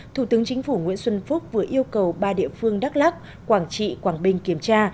thủ tướng chính phủ nguyễn xuân phúc vừa yêu cầu ba địa phương đắk lắc quảng trị quảng bình kiểm tra